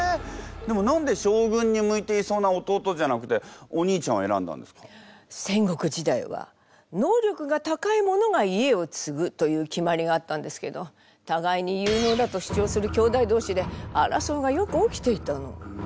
でも何で将軍に向いていそうな弟じゃなくてお兄ちゃんを選んだんですか？という決まりがあったんですけど互いに有能だと主張する兄弟同士で争いがよく起きていたの。